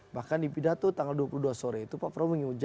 bahkan di pidato tanggal dua puluh dua sore itu pak prabowo